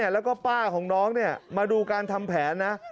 แล้วก็ป้าของน้องมาดูการทำแผนนะ